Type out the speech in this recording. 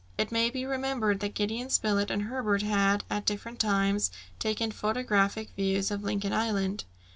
It may be remembered that Gideon Spilett and Herbert had, at different times, taken photographic views of Lincoln Island.